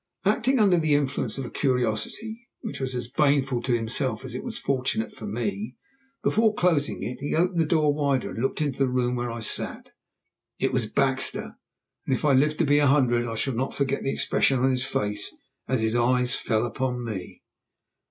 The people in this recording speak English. Acting under the influence of a curiosity, which was as baneful to himself as it was fortunate for me, before closing it he opened the door wider and looked into the room where I sat. It was Baxter, and if I live to be an hundred I shall not forget the expression on his face as his eyes fell upon me.